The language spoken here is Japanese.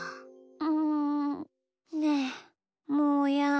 んねえもーやん。